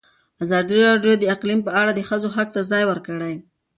ازادي راډیو د اقلیم په اړه د ښځو غږ ته ځای ورکړی.